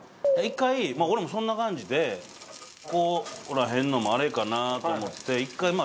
１回俺もそんな感じでこう怒らへんのもあれかなと思って１回ま